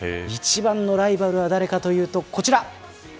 一番のライバルは誰かというと、こちら。